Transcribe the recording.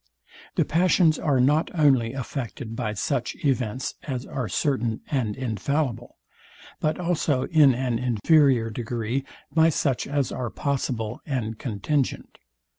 The passions are not only affected by such events as are certain and infallible, but also in an inferior degree by such as are possible and contingent.